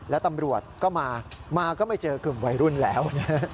และตำรวจก็มามาก็ไม่เจอกลุ่มวัยรุ่นแล้วนะฮะ